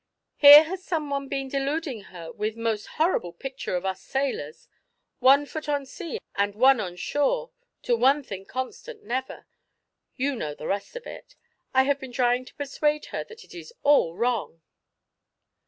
Here has someone been deluding her with most horrible picture of us sailors 'one foot on sea, and one on shore, to one thing constant never' you know the rest of it. I have been trying to persuade her that it is all wrong."